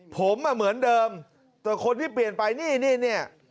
ผมอ่ะเหมือนเดิมแต่คนที่เปลี่ยนไปนี่นี่